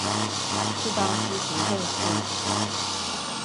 适当之行政事务